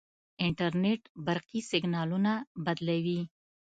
انټرنیټ برقي سیګنالونه بدلوي.